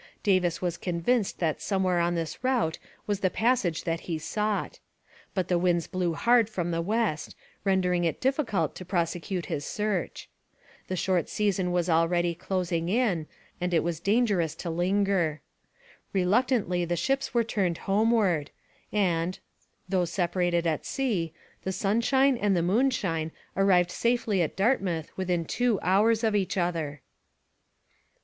Davis was convinced that somewhere on this route was the passage that he sought. But the winds blew hard from the west, rendering it difficult to prosecute his search. The short season was already closing in, and it was dangerous to linger. Reluctantly the ships were turned homeward, and, though separated at sea, the Sunshine and the Moonshine arrived safely at Dartmouth within two hours of each other.